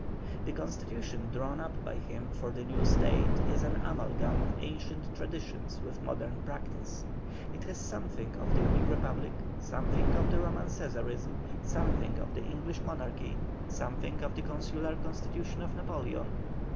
The constitution drawn up by him for the new State is an amalgam of ancient traditions with modern practice. It has something of the Greek Republic, something of Roman Cæsarism, something of the English Monarchy, something of the consular constitution of Napoleon.